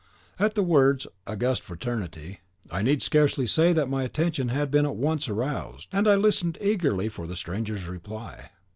At the words, "august fraternity," I need scarcely say that my attention had been at once aroused, and I listened eagerly for the stranger's reply.